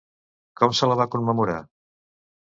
Com se la va commemorar?